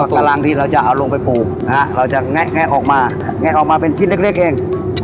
ตารางที่เราจะเอาลงไปปลูกนะฮะเราจะแงะออกมาแงะออกมาเป็นชิ้นเล็กเอง